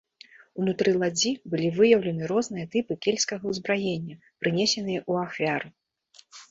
Унутры ладдзі былі выяўлены розныя тыпы кельцкага ўзбраення, прынесеныя ў ахвяру.